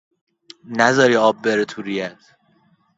نذاری آب بره تو ریه ات